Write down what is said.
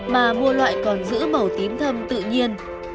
mà mua loại còn giữ màu tím thâm tự nhiên